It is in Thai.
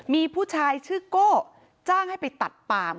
มีผู้ชายชื่อโก้จ้างให้ไปตัดปาม